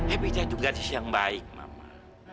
evita juga jis yang baik mama